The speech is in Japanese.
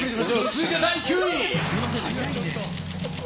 続いて第９位。